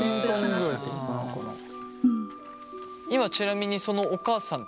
今ちなみにそのお母さんっているの？